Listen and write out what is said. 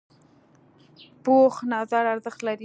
پوخ نظر ارزښت لري